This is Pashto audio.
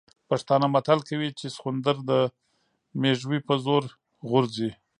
پښتانه متل کوي چې سخوندر د مېږوي په زور غورځي.